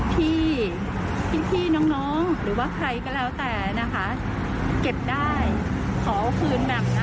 ที่พี่น้องหรือว่าใครก็แล้วแต่นะคะเก็บได้ขอคืนแหม่มนะคะ